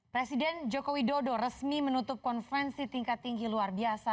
presiden joko widodo resmi menutup konferensi tingkat tinggi luar biasa